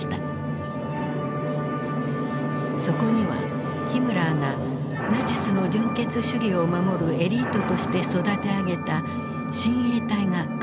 そこにはヒムラーがナチスの純血主義を守るエリートとして育て上げた親衛隊が組み込まれた。